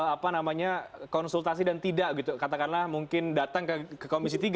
apa namanya konsultasi dan tidak gitu katakanlah mungkin datang ke komisi tiga